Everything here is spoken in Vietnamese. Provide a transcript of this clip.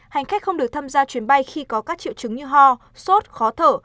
hành khách không được tham gia chuyến bay khi có các triệu chứng như ho sốt khó thở